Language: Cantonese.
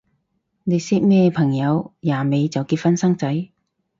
你識咩朋友廿尾就結婚生仔？